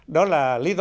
đó là lý dạ